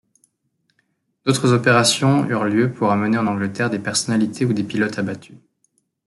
D'autres opérations eurent lieu pour amener en Angleterre des personnalités ou des pilotes abattus.